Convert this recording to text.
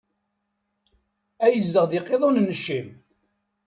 Ad izdeɣ deg iqiḍunen n Cim!